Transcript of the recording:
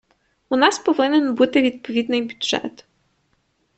У нас повинен бути відповідний бюджет.